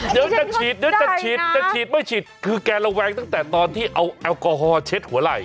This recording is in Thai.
เดี๋ยวจะฉีดเดี๋ยวจะฉีดจะฉีดไม่ฉีดคือแกระแวงตั้งแต่ตอนที่เอาแอลกอฮอลเช็ดหัวไหล่